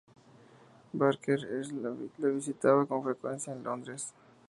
Barker la visitaba con frecuencia en Londres.